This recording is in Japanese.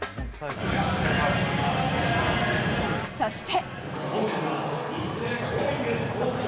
そして。